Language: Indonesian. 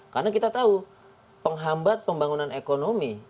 karena kita tahu penghambat pembangunan ekonomi